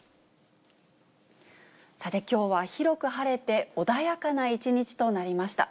さて、きょうは広く晴れて、穏やかな一日となりました。